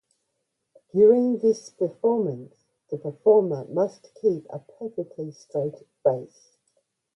During this performance, the performer must keep a perfectly straight face.